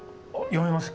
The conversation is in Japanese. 読めます。